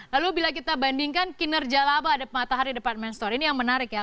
lalu bila kita bandingkan kinerja laba matahari department store ini yang menarik ya